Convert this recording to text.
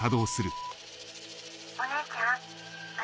お姉ちゃん私。